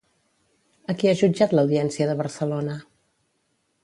A qui ha jutjat l'Audiència de Barcelona?